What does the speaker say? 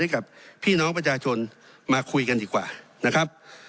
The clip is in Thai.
ให้กับพี่น้องประชาชนมาคุยกันดีกว่านะครับ